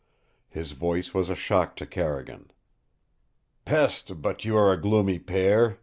His voice was a shock to Carrigan. "PESTE, but you are a gloomy pair!"